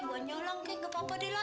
gua nyolong kek ke papadi la